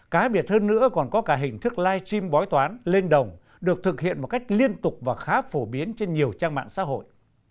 cá biệt hơn nữa còn có cả hình thức live stream bói toán lên đồng được thực hiện một cách liên tục và khá phổ biến trên nhiều trang mạng xã hội